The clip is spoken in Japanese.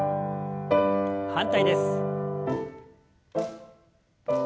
反対です。